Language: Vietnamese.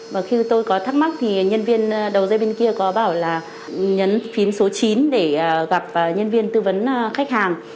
và khi tôi có thắc mắc thì nhân viên đầu dây bên kia có bảo là nhấn phín số chín để gặp nhân viên tư vấn khách hàng